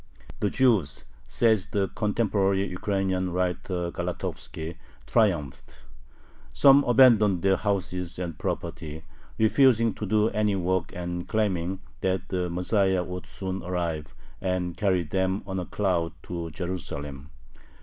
The Jews says the contemporary Ukrainian writer Galatovski triumphed. Some abandoned their houses and property, refusing to do any work and claiming that the Messiah would soon arrive and carry them on a cloud to Jerusalem.